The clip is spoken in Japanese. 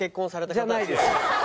じゃないです。